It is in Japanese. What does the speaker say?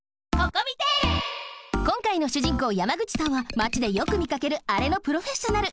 こう山口さんはマチでよくみかけるあれのプロフェッショナル。